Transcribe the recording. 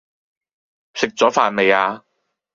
食左飯未呀